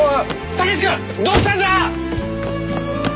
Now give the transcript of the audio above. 武志君どうしたんだ！？